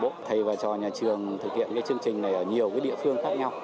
thầy và cho nhà trường thực hiện cái chương trình này ở nhiều cái địa phương khác nhau